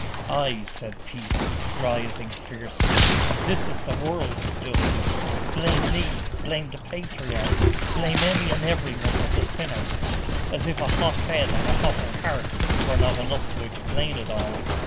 'Ay,' said Peter, rising fiercely, that is the world's justice! Blame me, blame the patriarch, blame any and every one but the sinner. As if a hot head and a hotter heart were not enough to explain it all!